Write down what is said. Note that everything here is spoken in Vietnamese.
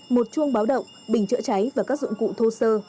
một chuông báo động bình chữa cháy và các dụng cụ thô sơ